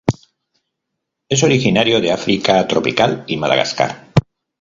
Es originario de África tropical y Madagascar.